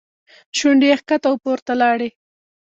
شونډې یې ښکته او پورته لاړې.